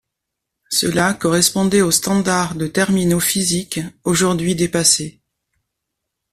Cela correspondait aux standards de terminaux physiques aujourd'hui dépassés.